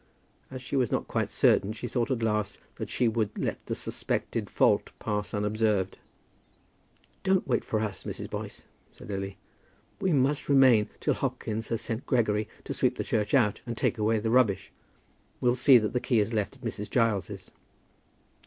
As she was not quite certain, she thought at last that she would let the suspected fault pass unobserved. "Don't wait for us, Mrs. Boyce," said Lily. "We must remain till Hopkins has sent Gregory to sweep the church out and take away the rubbish. We'll see that the key is left at Mrs. Giles's."